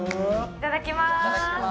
いただきます